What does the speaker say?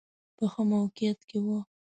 په ښه موقعیت کې و.